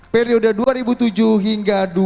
periode dua ribu tujuh hingga dua ribu sembilan